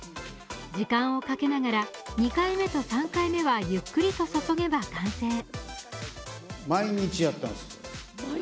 時間をかけながら、２回目と３回目はゆっくりと注げば完成。